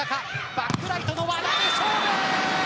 バックライトの和田で勝負。